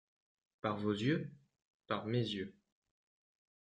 Par vos yeux ? Par mes yeux.